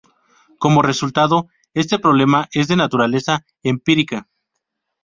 Como resultado, este problema es de naturaleza empírica.